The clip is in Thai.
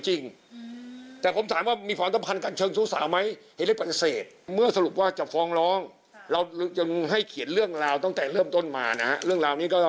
ตั้งแต่เริ่มต้นมาเหลือละหรือก็ตั้งแต่เดือน